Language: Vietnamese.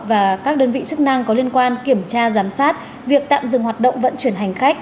và các đơn vị chức năng có liên quan kiểm tra giám sát việc tạm dừng hoạt động vận chuyển hành khách